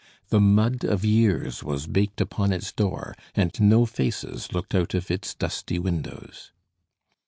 The mud of years was baked upon its door, and no faces looked out of its dusty windows.